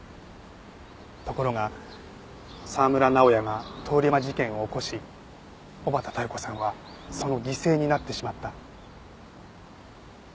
ところが沢村直哉が通り魔事件を起こし小畠妙子さんはその犠牲になってしまった。